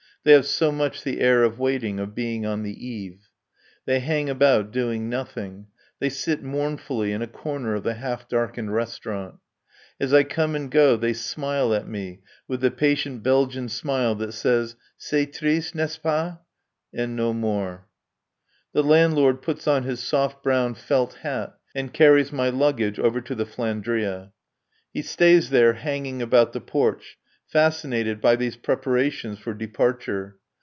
They have so much the air of waiting, of being on the eve. They hang about doing nothing. They sit mournfully in a corner of the half darkened restaurant. As I come and go they smile at me with the patient Belgian smile that says, "C'est triste, n'est ce pas?" and no more. The landlord puts on his soft brown felt hat and carries my luggage over to the "Flandria." He stays there, hanging about the porch, fascinated by these preparations for departure.